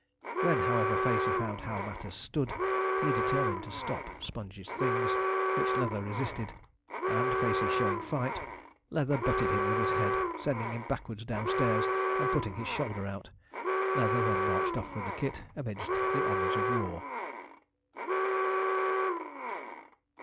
When, however, Facey found how matters stood, he determined to stop Sponge's things, which Leather resisted; and, Facey showing fight, Leather butted him with his head, sending him backwards downstairs and putting his shoulder out. Leather than marched off with the kit, amid the honours of war.